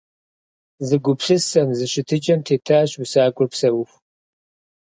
Зы гупсысэм, зы щытыкӀэм тетащ усакӀуэр псэуху.